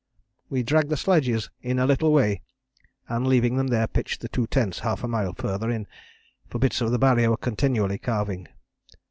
"We dragged the sledges in a little way, and, leaving them, pitched the two tents half a mile farther in, for bits of the Barrier were continually calving.